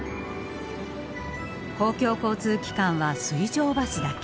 公共交通機関は水上バスだけ。